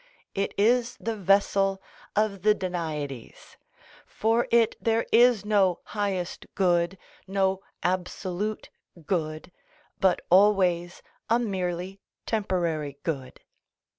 It is the vessel of the Danaides; for it there is no highest good, no absolute good, but always a merely temporary good.